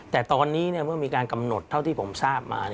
แต่ตอนนี้เมื่อมีการกำหนดเท่าที่ผมทราบมา